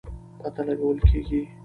پته لګول کېږي.